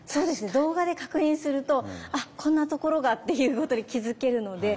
動画で確認すると「あこんなところが」っていうことに気付けるので。